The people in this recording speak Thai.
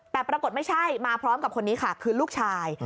แต่ปรากฏไม่ใช่มาพร้อมกับคนนี้ค่ะคือลูกชาย